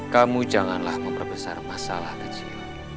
kamu janganlah memperbesar masalah kecil